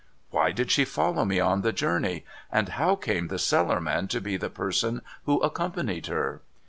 'Why did she follow me on the journey? and how came the Cellarman to be the person who accompanied her?'